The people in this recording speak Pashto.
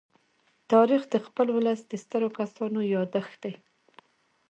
تاریخ د خپل ولس د سترو کسانو يادښت دی.